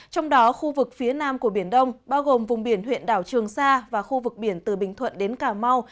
trong đó khu vực phía nam của biển đông bao gồm vùng biển huyện đảo trường sa và khu vực biển từ bình thuận đến cà mau